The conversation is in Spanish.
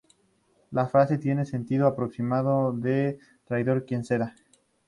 La frase tiene el sentido aproximado de "traidor quien ceda".